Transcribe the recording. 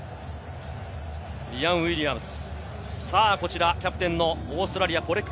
リアム・ウィリアムズ。